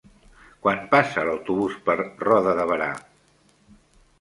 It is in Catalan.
Quan passa l'autobús per Roda de Berà?